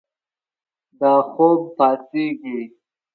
د خوب پاڅیږې